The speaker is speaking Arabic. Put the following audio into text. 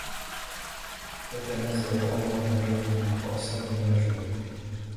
فَتَنَازَعُوا أَمْرَهُمْ بَيْنَهُمْ وَأَسَرُّوا النَّجْوَى